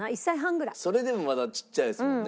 それでもまだちっちゃいですもんね。